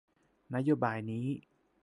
นโยบายนี้